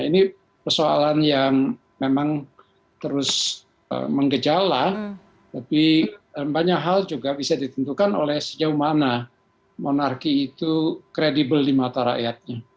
ini persoalan yang memang terus mengejala tapi banyak hal juga bisa ditentukan oleh sejauh mana monarki itu kredibel di mata rakyatnya